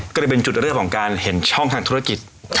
ก็เลยเป็นจุดเริ่มของการเห็นช่องทางธุรกิจ